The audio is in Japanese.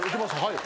はい。